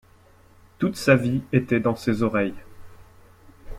Toute sa vie était dans ses oreilles.